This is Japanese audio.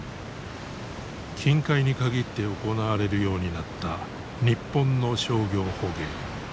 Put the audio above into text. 近海に限って行われるようになった日本の商業捕鯨。